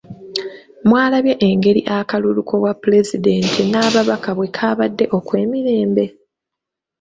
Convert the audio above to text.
Mwalabye engeri akalulu k'obwapulezidenti n'ababaka bwekwabadde okw'emirembe!